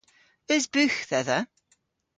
Eus bugh dhedha?